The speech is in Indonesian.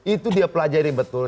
itu dia pelajari betul